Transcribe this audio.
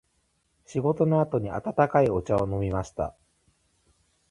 仕事の後に温かいお茶を飲みました。